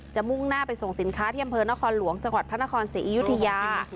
มุ่งหน้าไปส่งสินค้าที่อำเภอนครหลวงจังหวัดพระนครศรีอยุธยา